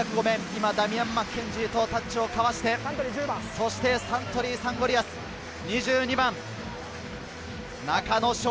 今、ダミアン・マッケンジーとタッチをかわして、サントリーサンゴリアス、２２番・中野将